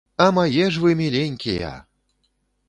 А мае ж вы міленькія!